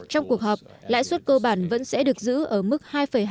trong cuộc họp lãi suất cơ bản vẫn sẽ được giữ ở mức hai hai mươi năm hai năm